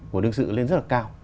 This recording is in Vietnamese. của đương sự lên rất là cao